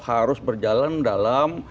harus berjalan dalam